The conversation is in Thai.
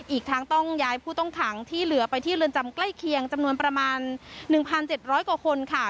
อีกทั้งต้องย้ายผู้ต้องขังที่เหลือไปที่เรือนจำใกล้เคียงจำนวนประมาณ๑๗๐๐กว่าคนค่ะ